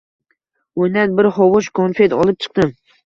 Uydan bir hovuch konfet olib chiqdim.